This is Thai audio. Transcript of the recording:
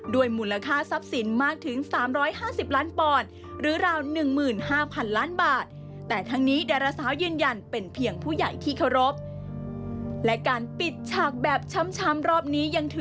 มูลค่าทรัพย์สินมากถึง๓๕๐ล้านปอนด์หรือราว๑๕๐๐๐ล้านบาท